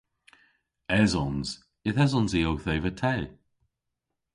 Esons. Yth esons i owth eva te.